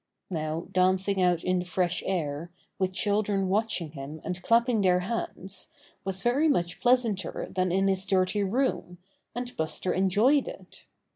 Now dancing out in the fresh air, with chil dren watching him and clapping their hands, was very much pleasanter than in his dirty room, and Buster enjoyed it.